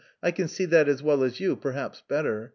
I can see that as well as you, perhaps better.